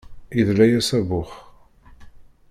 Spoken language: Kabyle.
Iḍla-yas abux.